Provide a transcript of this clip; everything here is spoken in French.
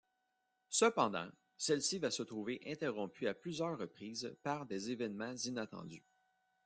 Cependant, celle-ci va se trouver interrompue à plusieurs reprises, par des événements inattendus.